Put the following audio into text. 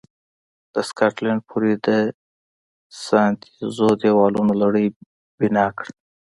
د سکاټلند پورې د ساتنیزو دېوالونو لړۍ بنا کړه.